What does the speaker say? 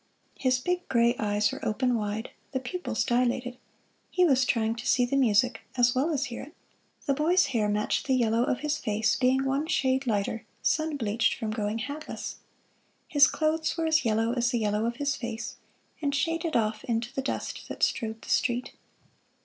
His big gray eyes were open wide, the pupils dilated he was trying to see the music as well as hear it. The boy's hair matched the yellow of his face, being one shade lighter, sun bleached from going hatless. His clothes were as yellow as the yellow of his face, and shaded off into the dust that strewed the street.